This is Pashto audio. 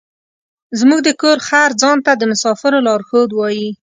زموږ د کور خر ځان ته د مسافرو لارښود وايي.